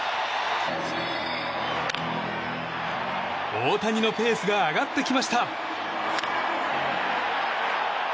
大谷のペースが上がってきました。